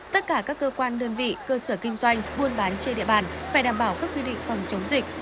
tất cả các cơ quan đơn vị cơ sở kinh doanh buôn bán trên địa bàn phải đảm bảo các quy định phòng chống dịch